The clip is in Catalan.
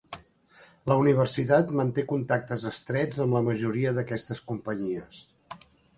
La universitat manté contactes estrets amb la majoria d'aquestes companyies.